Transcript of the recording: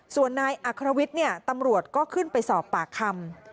ส่วนนายอัครวิทย์ตำรวจก็ขึ้นไปสอบปากคำ